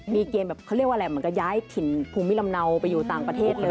มีเกณฑ์แบบเขาเรียกว่าอะไรเหมือนกับย้ายถิ่นภูมิลำเนาไปอยู่ต่างประเทศเลย